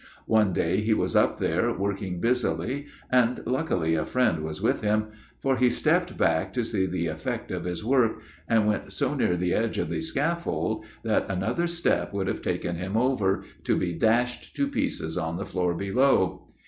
One day he was up there, working busily, and, luckily, a friend was with him; for he stepped back to see the effect of his work, and went so near the edge of the scaffold that another step would have taken him over, to be dashed to pieces on the floor below.